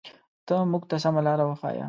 ته مونږ ته سمه لاره وښایه.